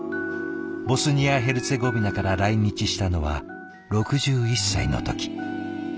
ボスニア・ヘルツェゴビナから来日したのは６１歳の時。